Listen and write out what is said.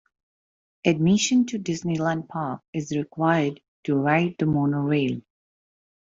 Admission to Disneyland Park is required to ride the Monorail.